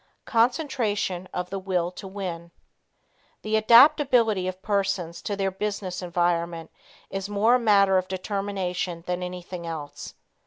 Concentration of the Will to Win. The adaptability of persons to their business environment is more a matter of determination than anything else.